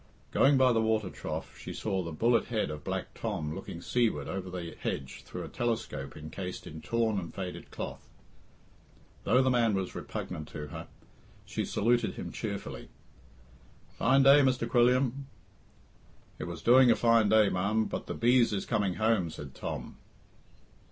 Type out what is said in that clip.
Going by the water trough, she saw the bullet head of Black Tom looking seaward over the hedge through a telescope encased in torn and faded cloth. Though the man was repugnant to her, she saluted him cheerfully. "Fine day, Mr. Quilliam." "It was doing a fine day, ma'am, but the bees is coming home," said Tom.